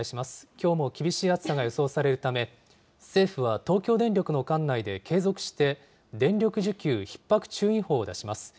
きょうも厳しい暑さが予想されるため、政府は東京電力の管内で継続して、電力需給ひっ迫注意報を出します。